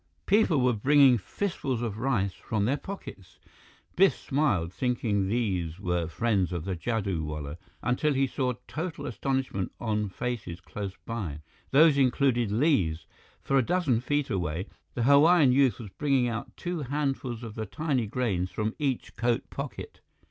People were bringing fistfuls of rice from their pockets. Biff smiled, thinking these were friends of the jadoo wallah, until he saw total astonishment on faces close by. Those included Li's, for a dozen feet away, the Hawaiian youth was bringing out two handfuls of the tiny grains from each coat pocket.